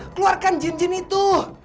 keluarkan jin jin itu